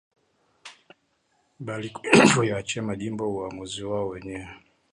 bali kuyaachia majimbo uwamuzi wao wenyewe